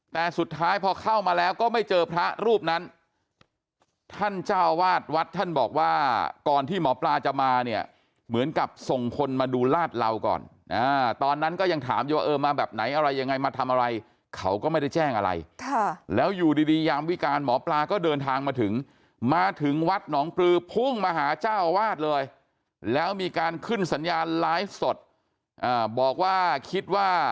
แต่สุดท้ายพอเข้ามาแล้วก็ไม่เจอพระรูปนั้นท่านเจ้าวาดวัดท่านบอกว่าก่อนที่หมอปลาจะมาเนี่ยเหมือนกับส่งคนมาดูลาดเหล่าก่อนตอนนั้นก็ยังถามอยู่ว่าเออมาแบบไหนอะไรยังไงมาทำอะไรเขาก็ไม่ได้แจ้งอะไรแล้วอยู่ดียามวิการหมอปลาก็เดินทางมาถึงมาถึงวัดหนองปลือพุ่งมาหาเจ้าวาดเลยแล้วมีการขึ้นสัญญาณไลฟ์สดบอกว่าคิดว่า